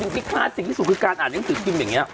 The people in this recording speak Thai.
ที่คลาสสิกที่สุดคือการอ่านหนังสือพิมพ์อย่างนี้